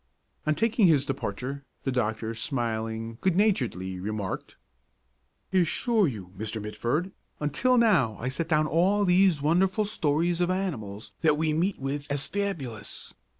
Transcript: On taking his departure, the doctor, smiling good naturedly, remarked: "I assure you, Mr. Mitford, until now I set down all these wonderful stories of animals that we meet with as fabulous.